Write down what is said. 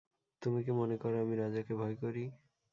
তুমি কি মনে কর আমি রাজাকে ভয় করি।